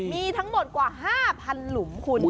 มีทั้งหมดกว่า๕๐๐หลุมคุณ